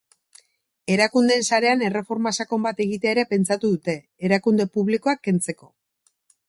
Erakundeen sarean erreforma sakon bat egitea ere pentsatu dute, erakunde publikoak kentzeko.